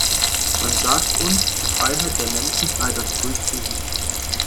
Man sagt uns, die Freiheit der Menschen sei das größere Risiko.